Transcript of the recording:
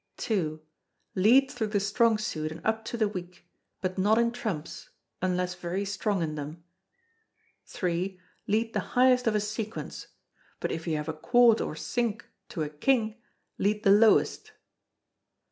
ii. Lead through the strong suit and up to the weak; but not in trumps; unless very strong in them. iii. Lead the highest of a sequence; but if you have a quarte or cinque to a king, lead the lowest.